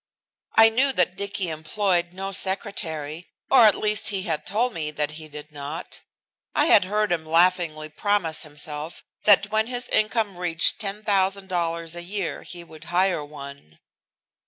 I knew that Dicky employed no secretary, or at least he had told me that he did not I had heard him laughingly promise himself that when his income reached $10,000 a year he would hire one.